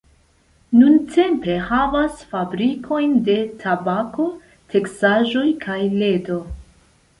Nuntempe havas fabrikojn de tabako, teksaĵoj kaj ledo.